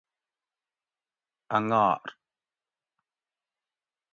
انگار